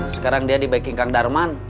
sekarang dia di backing kang darman